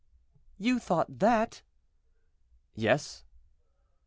"You thought that?"—"Yes."